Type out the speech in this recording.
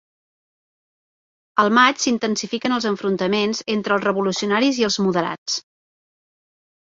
Al maig, s'intensifiquen els enfrontaments entre els revolucionaris i els moderats.